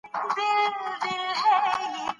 افغانستان د پکتیکا د پلوه ځانته ځانګړتیا لري.